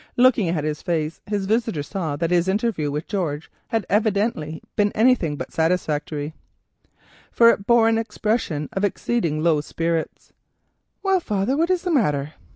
Looking at his face, his visitor saw that the interview with "George" had evidently been anything but satisfactory, for it bore an expression of exceedingly low spirits. "Well, father, what is the matter?"